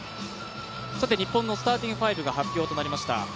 日本のスターティング５が発表となりました。